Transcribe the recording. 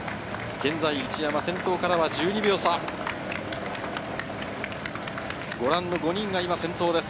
現在、一山は先頭から１２秒差、ご覧の５人が今先頭です。